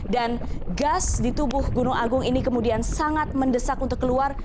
dan gas di tubuh gunung agung ini kemudian sangat mendesak untuk keluar